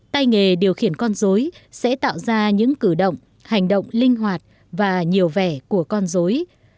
tay nghề điều khiển con dối sẽ tạo ra những cử động hành động linh hoạt và nhiều vẻ của con dối